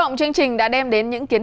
giữ yên khoảng năm giây